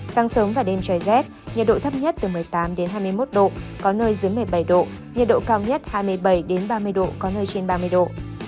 sáng sớm và đêm trời rét nhiệt độ thấp nhất từ một mươi tám hai mươi một độ có nơi dưới một mươi bảy độ nhiệt độ cao nhất hai mươi bảy ba mươi độ có nơi trên ba mươi độ